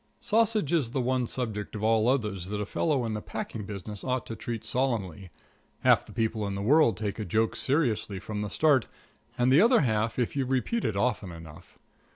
Sausage is the one subject of all others that a fellow in the packing business ought to treat solemnly. Half the people in the world take a joke seriously from the start, and the other half if you repeat it often enough.